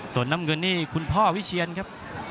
ส่วนน้ำเงินนี่คุณพ่อวิเชียนครับ